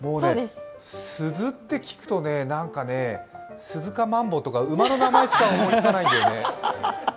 鈴って聞くと、スズカマンボウとか馬の名前しか思い浮かばないんだよね。